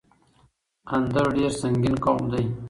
اندړ ډير سنګين قوم دی